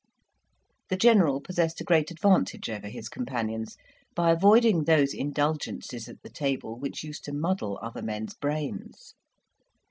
The General possessed a great advantage over his companions by avoiding those indulgences at the table which used to muddle other men's brains.